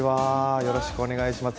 よろしくお願いします。